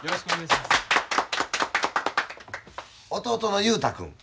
弟の雄太君。